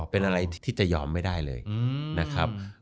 เป็นอะไรที่จะยอมไม่ได้เลยนะครับ